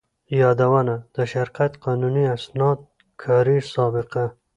يادونه: د شرکت قانوني اسناد، کاري سابقه،